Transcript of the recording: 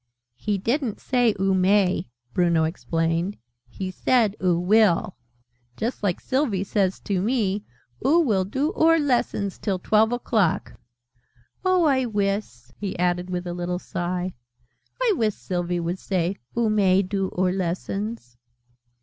"He didn't say 'Oo may,'" Bruno explained. "He said, 'Oo will.' Just like Sylvie says to me 'Oo will do oor lessons till twelve o'clock.' Oh, I wiss," he added with a little sigh, "I wiss Sylvie would say 'Oo may do oor lessons'!"